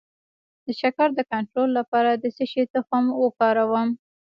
د شکر د کنټرول لپاره د څه شي تخم وکاروم؟